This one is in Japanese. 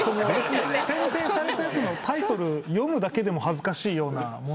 選定されたやつのタイトル読むだけでも恥ずかしいような。